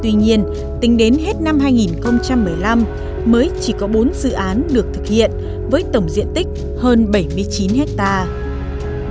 tuy nhiên tính đến hết năm hai nghìn một mươi năm mới chỉ có bốn dự án được thực hiện với tổng diện tích hơn bảy mươi chín hectare